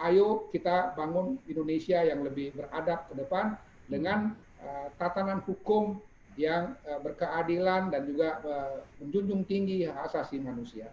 ayo kita bangun indonesia yang lebih beradab ke depan dengan tatanan hukum yang berkeadilan dan juga menjunjung tinggi hak asasi manusia